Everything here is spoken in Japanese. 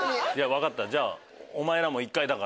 分かった。